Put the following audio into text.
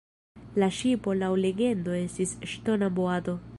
La ŝipo laŭ legendo estis “ŝtona boato”.